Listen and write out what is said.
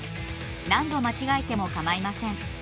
何度間違えても構いません。